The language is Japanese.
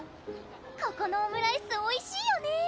ここのオムライスおいしいよね！